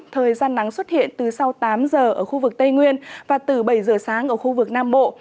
thời gian nắng xuất hiện từ sau tám giờ ở khu vực tây nguyên và từ bảy giờ sáng ở khu vực nam bộ